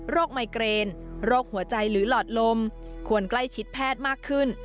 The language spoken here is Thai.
ไมเกรนโรคหัวใจหรือหลอดลมควรใกล้ชิดแพทย์มากขึ้น